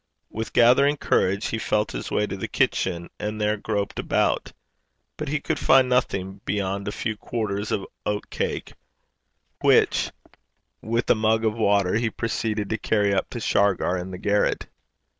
With gathering courage, he felt his way to the kitchen, and there groped about; but he could find nothing beyond a few quarters of oat cake, which, with a mug of water, he proceeded to carry up to Shargar in the garret.